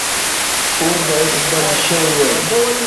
اور باید بل شوی وای.